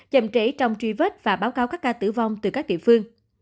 chậm trễ trong truy vết và báo cáo các ca tử vong từ các địa phương